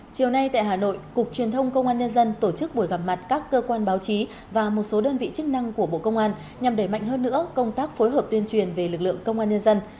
chiều nay tại hà nội cục truyền thông công an nhân dân tổ chức buổi gặp mặt các cơ quan báo chí và một số đơn vị chức năng của bộ công an nhằm đẩy mạnh hơn nữa công tác phối hợp tuyên truyền về lực lượng công an nhân dân